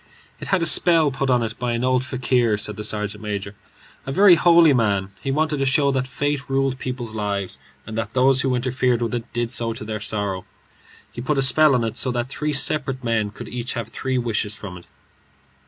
"It had a spell put on it by an old fakir," said the sergeant major, "a very holy man. He wanted to show that fate ruled people's lives, and that those who interfered with it did so to their sorrow. He put a spell on it so that three separate men could each have three wishes from it."